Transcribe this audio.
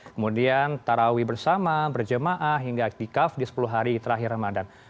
kemudian tarawi bersama berjemaah hingga iktikaf di sepuluh hari terakhir ramadan